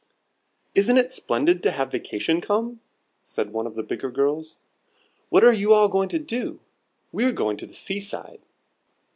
"Isn't it splendid to have vacation come?" said one of the bigger girls. "What are you all going to do? We're going to the seaside."